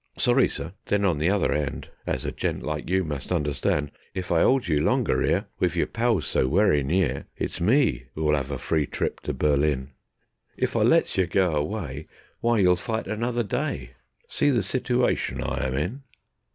"Sorry, sir. Then on the other 'and (As a gent like you must understand), If I 'olds you longer 'ere, Wiv yer pals so werry near, It's me 'oo'll 'ave a free trip to Berlin; If I lets yer go away, Why, you'll fight another day: See the sitooation I am in.